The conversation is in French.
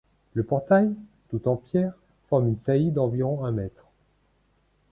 Le portail, tout en pierre, forme une saillie d’environ un mètre.